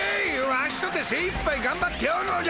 ワシとてせいいっぱいがんばっておるのじゃ！